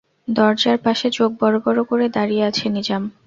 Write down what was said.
দরজার পাশে চোখ বড়-বড় করে দাঁড়িয়ে আছে নিজাম।